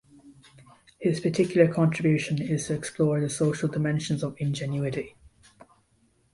His particular contribution is to explore the social dimensions of ingenuity.